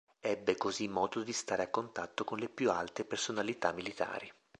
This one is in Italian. Ebbe così modo di stare a contatto con le più alte personalità militari.